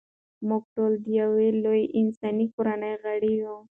موږ ټول د یوې لویې انساني کورنۍ غړي یو.